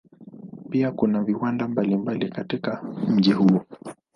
Pia kuna viwanda mbalimbali katika mji huo.